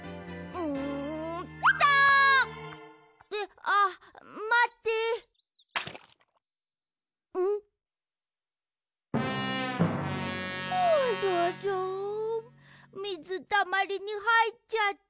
ホロロンみずたまりにはいっちゃった。